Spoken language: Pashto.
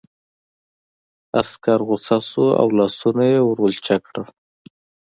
عسکر غوسه شو او لاسونه یې ور ولچک کړل